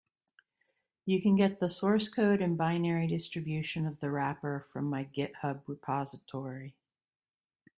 You can get the source code and binary distribution of the wrapper from my github repository.